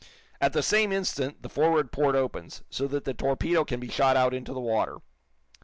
At the same instant the forward port opens, so that the torpedo can be shot out into the water.